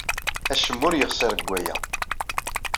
Acemma ur yexṣir deg waya.